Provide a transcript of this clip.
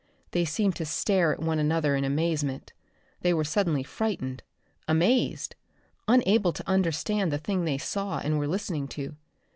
They seemed to stare at one another in amazement. They were suddenly frightened, amazed, unable to understand the thing they saw and were listening to.